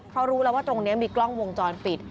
เพราะรู้แล้วว่าตรงนี้มีกล้องวงจรปิด